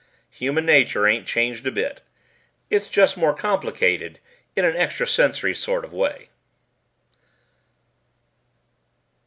Human nature ain't changed a bit. It's just more complicated in an extrasensory sort of way.